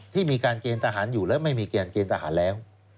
ที่มีการเกณฑ์ทหารอยู่และไม่มีเกณฑ์ทหารแล้ว